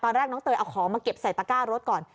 น้องเตยเอาของมาเก็บใส่ตะก้ารถก่อน